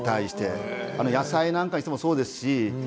野菜なんかもそうですね。